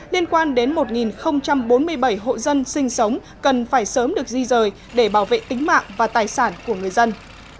liên quan đến một bốn mươi bảy hộ dân sinh sống cần phải sớm được di rời để bảo vệ tính mạng và tài sản của người dân